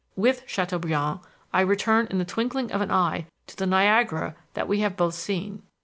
With Chateaubriand I return in the twinkling of an eye to the Niagara that we have both seen.